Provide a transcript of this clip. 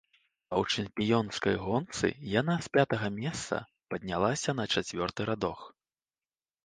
А ў чэмпіёнскай гонцы яна з пятага месца паднялася на чацвёрты радок.